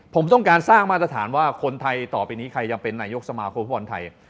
ผมต้องการสร้างมาตรฐานว่าคนไทยต่อไปนี้ใครจะเป็นนายกสมาคมฟุตบอลไทย